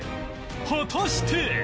果たして？